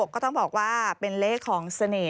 ก็ต้องบอกว่าเป็นเลขของเสน่ห